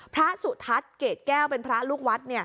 พระสุทัศน์เกรดแก้วเป็นพระลูกวัด